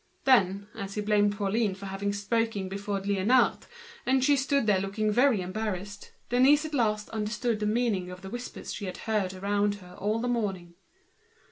Then, as he blamed Pauline for having spoken before Liénard, and she stood there looking very embarrassed, Denise at last understood the whispered phrases she had heard around her all the morning.